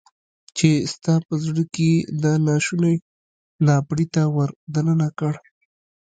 چې ستا په زړه کې يې دا ناشونی ناپړیته ور دننه کړه.